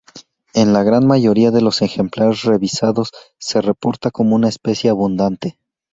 En la gran mayoría de los ejemplares revisados se reporta como una especie abundante.